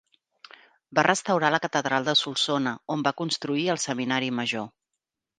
Va restaurar la Catedral de Solsona, on va construir el seminari major.